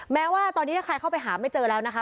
แม้ว่าตอนนี้ถ้าใครเข้าไปหาไม่เจอแล้วนะคะ